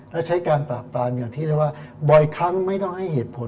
และใช้การปราบปรามอย่างที่เรียกว่าบ่อยครั้งไม่ต้องให้เหตุผล